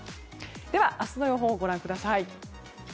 では、明日の予報をご覧ください。